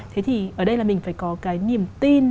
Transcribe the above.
thế thì ở đây là mình phải có cái niềm tin